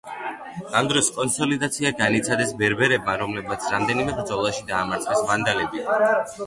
ამ დროს კონსოლიდაცია განიცადეს ბერბერებმა, რომლებმაც რამდენიმე ბრძოლაში დაამარცხეს ვანდალები.